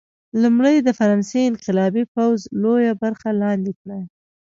لومړی د فرانسې انقلابي پوځ لویه برخه لاندې کړه.